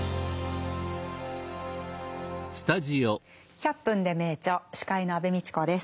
「１００分ｄｅ名著」司会の安部みちこです。